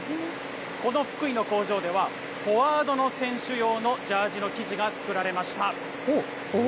この福井の工場では、フォワードの選手用のジャージ用の生地が作られました。